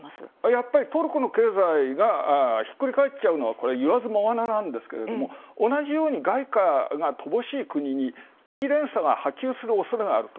やっぱり、トルコの経済がひっくり返っちゃうのは、これ、いわずもがななんですが、同じように外貨が乏しい国に、危機連鎖が波及するおそれがあると。